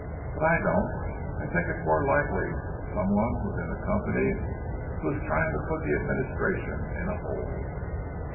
But I don't; I think it's more likely some one within the company who is trying to put the administration in a hole."